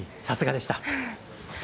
さすがでした。